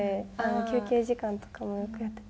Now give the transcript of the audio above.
休憩時間とかもよくやってて。